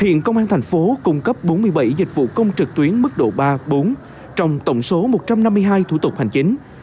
hiện công an thành phố cung cấp bốn mươi bảy dịch vụ công trực tuyến mức độ ba bốn trong tổng số một trăm năm mươi hai thủ tục hành chính